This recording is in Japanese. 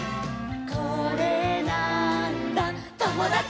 「これなーんだ『ともだち！』」